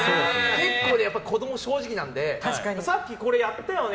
結構、子供は正直なのでさっきこれやったよね！